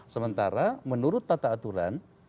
sementara menurut tata aturan